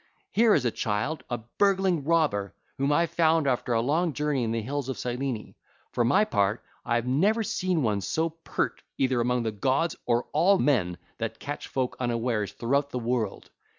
Here is a child, a burgling robber, whom I found after a long journey in the hills of Cyllene: for my part I have never seen one so pert either among the gods or all men that catch folk unawares throughout the world.